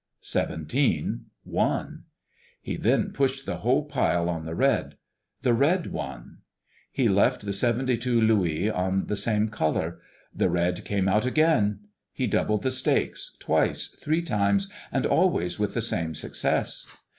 Seventeen won. He then pushed the whole pile on the "red." The red won. He left the seventy two louis on the same color. The red came out again. He doubled the stakes, twice, three times, and always with the same success.